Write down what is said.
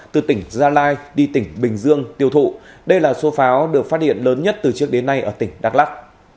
từ tỉnh gia lai đi tỉnh bình dương tiêu thụ đây là số pháo được phát điện lớn nhất từ trước đến nay ở tỉnh đắk lắc